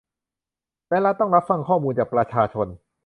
และรัฐต้องรับฟังข้อมูลจากประชาชน